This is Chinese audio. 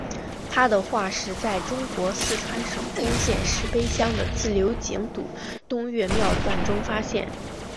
它的化石在中国四川省珙县石碑乡的自流井组东岳庙段中发现。